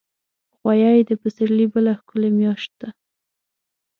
غویی د پسرلي بله ښکلي میاشت ده.